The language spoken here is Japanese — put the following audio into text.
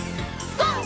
ＧＯ！